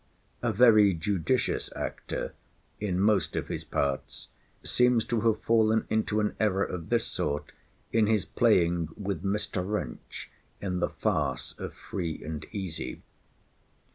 A very judicious actor (in most of his parts) seems to have fallen into an error of this sort in his playing with Mr. Wrench in the farce of Free and Easy.